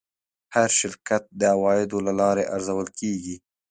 هر شرکت د عوایدو له لارې ارزول کېږي.